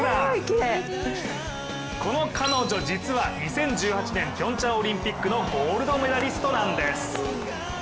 この彼女、実は２０１８年ピョンチャンオリンピックのゴールドメダリストなんです。